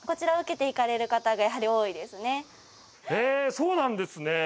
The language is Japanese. そうなんですね！